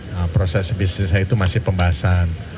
nah proses bisnisnya itu masih pembahasan